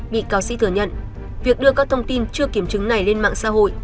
bị cáo sĩ thừa nhận việc đưa các thông tin chưa kiểm chứng này lên mạng xã hội